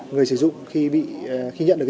người sử dụng khi nhận được